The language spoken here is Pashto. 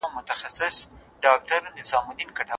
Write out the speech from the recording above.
دا اپلیکیشن نه یوازې د سرعت معلومولو لپاره دی.